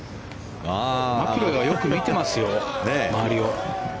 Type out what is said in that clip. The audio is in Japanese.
マキロイはよく見てますよ、周りを。